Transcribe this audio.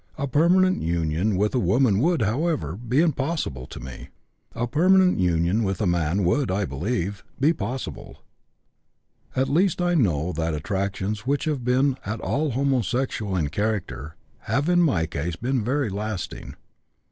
A permanent union with a woman would, however, be impossible to me. A permanent union with a man would, I believe, be possible. At least I know that attractions which have been at all homosexual in character have in my case been very lasting.